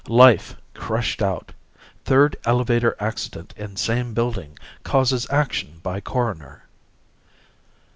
"Life Crushed Out. Third Elevator Accident in Same Building Causes Action by Coroner."